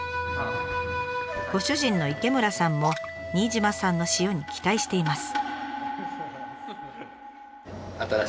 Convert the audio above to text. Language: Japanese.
ご主人の池村さんも新島産の塩に期待しています。